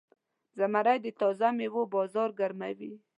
زمری د تازه میوو بازار ګرموي.